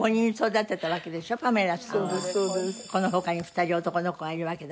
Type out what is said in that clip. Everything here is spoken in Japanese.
この他に２人男の子がいるわけだから。